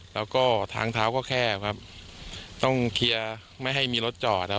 แล้วก็ทางเท้าก็แคบครับต้องเคลียร์ไม่ให้มีรถจอดนะครับ